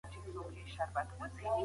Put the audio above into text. عقل او پوهه د علم مهم اړخونه نه دي؟